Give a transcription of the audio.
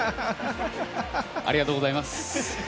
ありがとうございます。